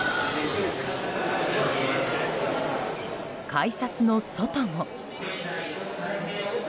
改札の外も。